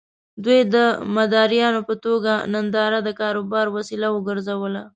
دوی د مداريانو په توګه ننداره د کاروبار وسيله وګرځوله.